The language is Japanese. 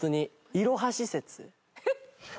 いろは施設。